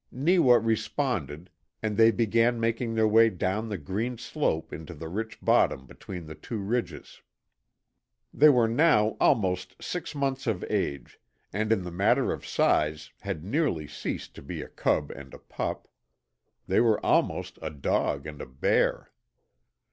Neewa responded, and they began making their way down the green slope into the rich bottom between the two ridges. They were now almost six months of age, and in the matter of size had nearly ceased to be a cub and a pup. They were almost a dog and a bear.